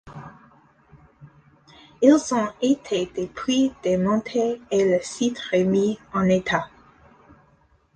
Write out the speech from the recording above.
Ils ont été depuis démontés et le site remis en état.